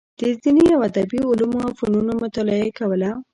د دیني او ادبي علومو او فنونو مطالعه یې کوله.